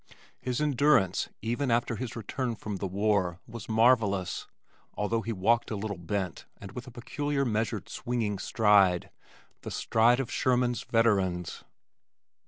His endurance even after his return from the war, was marvellous, although he walked a little bent and with a peculiar measured swinging stride the stride of Sherman's veterans.